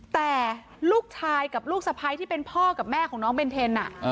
แต่ลูกชายกับลูกสะพ้ายที่เป็นพ่อกับแม่ของน้องเบนเทน